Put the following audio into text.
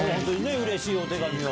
うれしいお手紙を。